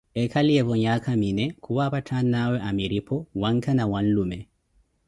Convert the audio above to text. Ekhaliyeevo nhaaka minee, khuwaapatha anawe awire amiripho, wankha na whanlume